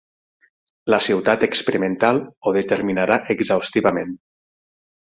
La ciutat experimental ho determinarà exhaustivament.